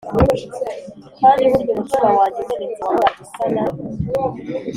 kandi burya umutima wanjye umenetse wahoraga usana